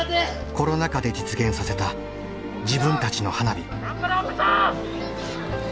コロナ禍で実現させた自分たちの花火。